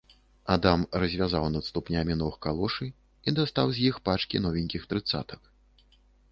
Адам развязаў над ступнямі ног калошы і дастаў з іх пачкі новенькіх трыццатак.